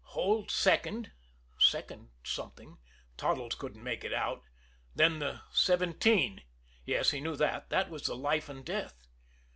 "Hold second" second something Toddles couldn't make it out. Then the "seventeen" yes, he knew that that was the life and death.